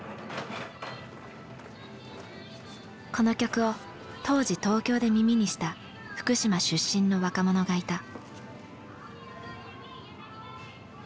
この曲を当時東京で耳にした福島出身の若者がいた。